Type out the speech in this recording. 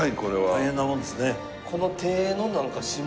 大変なもんですね。